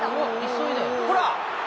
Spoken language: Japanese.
ほら。